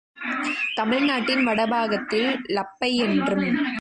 தமிழ்நாட்டின் வடபாகத்தில் லப்பையென்றும்